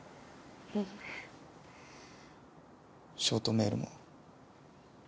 ショートメールも。